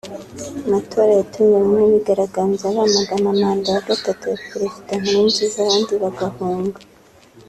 Amatora yatumye bamwe bigaragambya bamagana manda ya gatatu ya Perezida Nkurunziza abandi bagahunga